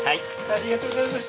ありがとうございます。